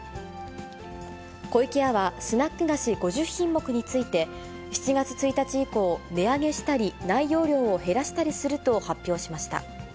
湖池屋はスナック菓子５０品目について、７月１日以降、値上げしたり内容量を減らしたりすると発表しました。